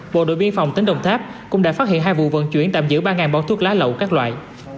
bộ đội biên phòng tỉnh đồng tháp cũng đã phát hiện hai vụ vận chuyển tạm giữ ba bao thuốc lá lậu các loại